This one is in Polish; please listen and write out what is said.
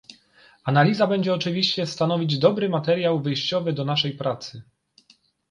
Analiza będzie oczywiście stanowić dobry materiał wyjściowy dla naszej pracy